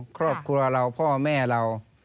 ครอบครัวเราพ่อแม่เรา